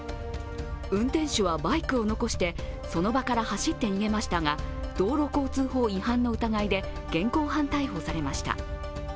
運転手はバイクを残してその場から走って逃げましたが道路交通法違反の疑いで現行犯逮捕されました。